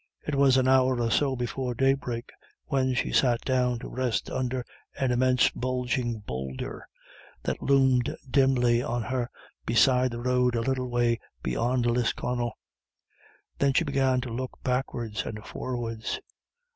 It was an hour or so before daybreak when she sat down to rest under an immense bulging boulder that loomed dimly on her beside the road a little way beyond Lisconnel. Then she began to look backwards and forwards.